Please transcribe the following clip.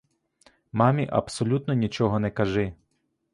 Мамі абсолютно нічого не кажи.